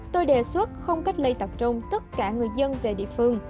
tôi đề xuất không cách ly tập trung tất cả người dân về địa phương